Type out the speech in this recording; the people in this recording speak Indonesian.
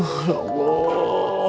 nggak ada apa apa